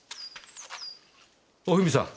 おふみさん